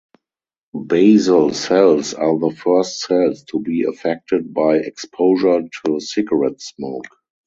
Basal cells are the first cells to be affected by exposure to cigarette smoke.